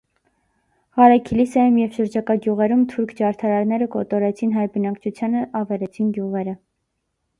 Ղարաքիլիսայում և շրջակա գյուղերում թուրք ջարդարարները կոտորեցին հայ բնակչությանը, ավերեցին գյուղերը։